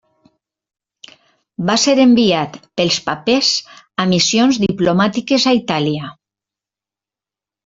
Va ser enviat pels papes a missions diplomàtiques a Itàlia.